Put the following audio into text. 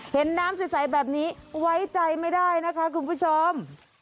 เห็นน้ำใสแบบนี้ไว้ใจไม่ได้นะคะคุณผู้ชม